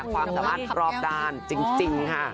ความสามารถรอบด้านจริงค่ะ